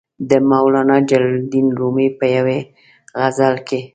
د مولانا جلال الدین رومي په یوې غزل کې.